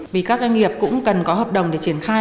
vì các doanh nghiệp cũng cần có hợp đồng để triển khai